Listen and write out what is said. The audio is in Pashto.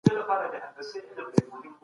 د څېړنې لپاره کره اعداد راټول کړای سول.